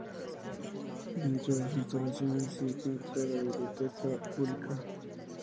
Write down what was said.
Dentro de sus instalaciones se encuentra la biblioteca pública.